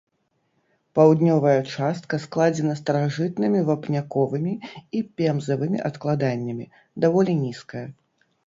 Паўднёвая частка складзена старажытнымі вапняковымі і пемзавымі адкладаннямі, даволі нізкая.